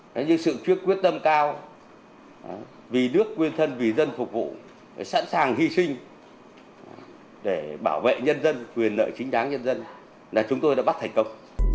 đấy như sự quyết tâm cao vì nước quyên thân vì dân phục vụ sẵn sàng hy sinh để bảo vệ nhân dân quyền nợ chính đáng nhân dân là chúng tôi đã bắt thành công